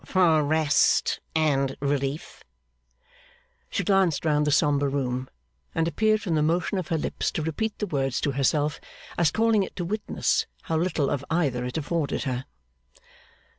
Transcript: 'For rest and relief.' She glanced round the sombre room, and appeared from the motion of her lips to repeat the words to herself, as calling it to witness how little of either it afforded her.